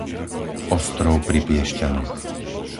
Ostrov pri Piešťanoch